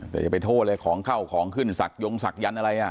แต่จะไปโทษเลยของเข้าของขึ้นสักยงสักยั้นอะไรอ่ะ